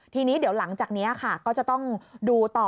ทีนี้เดี๋ยวหลังจากนี้ค่ะก็จะต้องดูต่อ